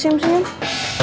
kenapa sih yang senyum